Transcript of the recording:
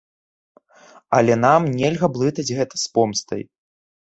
Але нам нельга блытаць гэта з помстай.